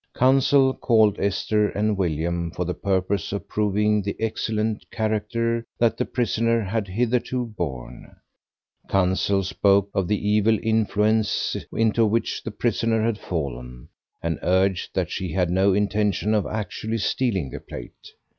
Counsel called Esther and William for the purpose of proving the excellent character that the prisoner had hitherto borne; counsel spoke of the evil influence into which the prisoner had fallen, and urged that she had no intention of actually stealing the plate.